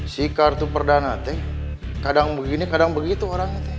si kartu perdana teh kadang begini kadang begitu orangnya